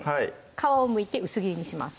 皮をむいて薄切りにします